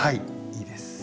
いいです。